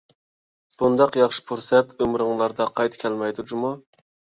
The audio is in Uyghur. بۇنداق ياخشى پۇرسەت ئۆمرۈڭلاردا قايتا كەلمەيدۇ جۇمۇ!